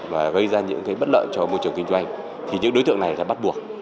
và gây ra những cái bất lợi cho môi trường kinh doanh thì những đối tượng này là bắt buộc